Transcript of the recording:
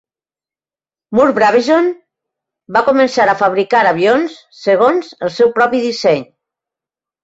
Moore-Brabazon va començar a fabricar avions segons el seu propi disseny.